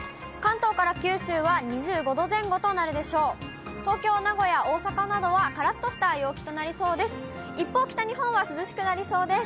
東京、名古屋、大阪などはからっとした陽気となりそうです。